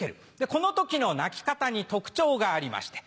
この時の鳴き方に特徴がありまして。